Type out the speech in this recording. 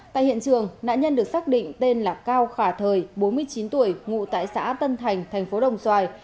tại hiện trường nạn nhân được xác định tên là cao khả thời bốn mươi chín tuổi ngụ tại xã tân thành thành phố đồng xoài